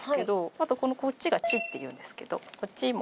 あとこのこっちが地っていうんですけどこっちも。